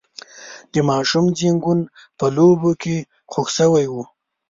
د ماشوم زنګون په لوبو کې خوږ شوی و.